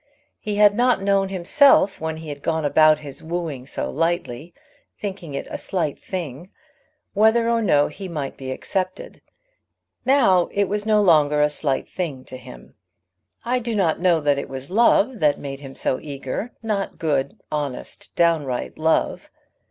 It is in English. He had not known himself, when he had gone about his wooing so lightly, thinking it a slight thing, whether or no he might be accepted. Now it was no longer a slight thing to him. I do not know that it was love that made him so eager; not good, honest, downright love.